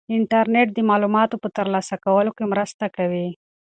انټرنيټ د معلوماتو په ترلاسه کولو کې مرسته کوي.